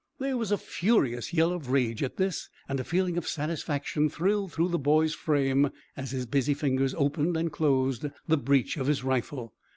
There was a furious yell of rage at this, and a feeling of satisfaction thrilled through the boy's frame as his busy fingers opened and closed the breech of his rifle.